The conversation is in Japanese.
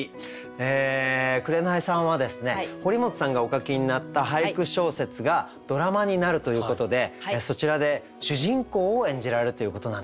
紅さんはですね堀本さんがお書きになった俳句小説がドラマになるということでそちらで主人公を演じられるということなんですね。